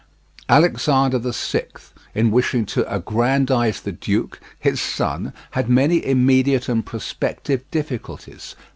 Alexander the Sixth, in wishing to aggrandize the duke, his son, had many immediate and prospective difficulties.